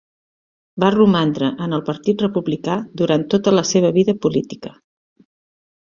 Va romandre en el Partit Republicà durant tota la seva vida política.